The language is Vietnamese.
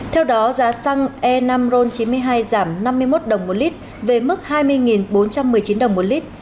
theo đó giá xăng e năm ron chín mươi hai giảm năm mươi một đồng một lít về mức hai mươi bốn trăm một mươi chín đồng một lít